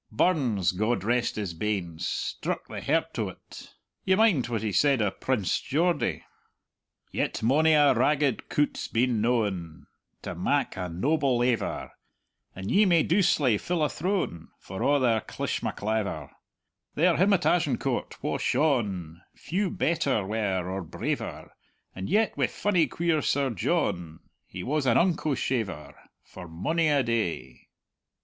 Burns (God rest his banes!) struck the he'rt o't. Ye mind what he said o' Prince Geordie: 'Yet mony a ragged cowte's been known To mak a noble aiver; And ye may doucely fill a throne, For a' their clishmaclaver. There him at Agincourt wha shone. Few better were or braver; And yet wi' funny queer Sir John He was an unco shaver For mony a day.'